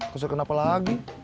kesel kenapa lagi